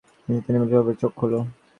তিনি বললেন, এবার চোখ খোল ।